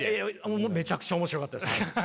もうめちゃくちゃ面白かったです。